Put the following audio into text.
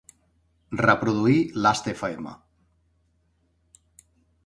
Reproduir Lastfm.